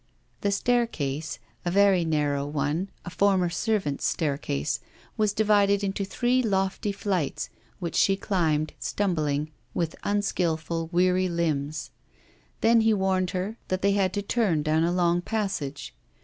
The staircase, a very narrow one, a former servants' staircase, was divided into three lofty flights, which she climbed, stumbling, with unskilful, weary limbs. Then he warned her that they had to turn down a long passage.